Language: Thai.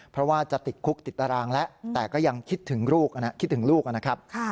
เพราะว่าจะติดคุกติดตารางแล้วแต่ก็ยังคิดถึงลูกคิดถึงลูกนะครับ